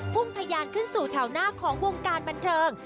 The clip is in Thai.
พรุ่งพยายามขึ้นสู่แถวหน้าของวงการบันเทิง